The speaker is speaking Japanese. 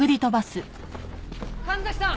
神崎さん！